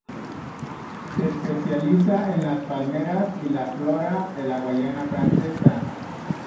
Se especializa en las palmeras y la flora de la Guayana Francesa.